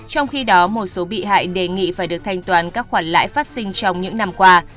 trong khi đó một số bị hại đề nghị phải được thanh toán các khoản lãi phát sinh trong những năm qua